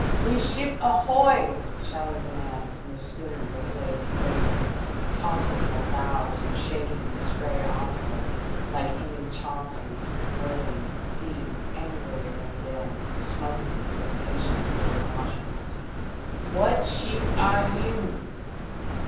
" Ze sheep ahoy !" shouted the man from the schooner that lay to windward, tossing her bows and shaking the spray off her like any champing and curvetting steed angrily reined in and smoking his impatience through his nostrils, " What sheep air you